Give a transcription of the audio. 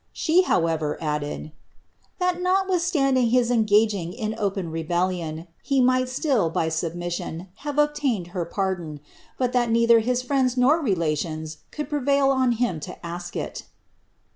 She, however, added, ^ that notwithstanding his engaging in open rebellion, he might still, by submission, have obtained her pardon, but that neither his friends nor relations could prevail on him to ask it.